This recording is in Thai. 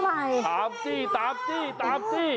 ตามสิตามสิตามสิ